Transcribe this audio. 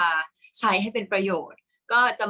กากตัวทำอะไรบ้างอยู่ตรงนี้คนเดียว